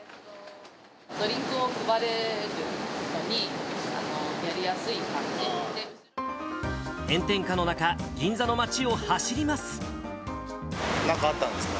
ドリンクを配るのに、やりや炎天下の中、なんかあったんですか？